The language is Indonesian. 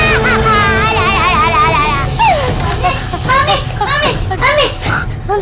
mimpi mami aduh cara kamu jangan tinggalin mami ya mami atut